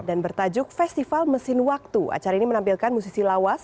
dan bertajuk festival mesin waktu acara ini menampilkan musisi lawas